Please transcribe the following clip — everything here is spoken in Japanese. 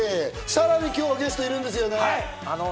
さらに今日はゲストがいるんですよね？